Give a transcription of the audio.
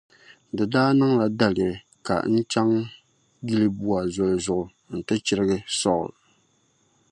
Di daa niŋla daliri ka n chaŋ Gilibɔa Zoli zuɣu nti chirigi Saul.